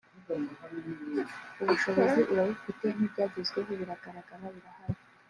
ubushobozi arabufite n’ibyagezweho biragaragara birahari